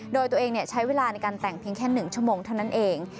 โดยตัวเองใช้เวลาในการแต่งเพียงแค่๑ชั่วโมงเท่านั้นเอง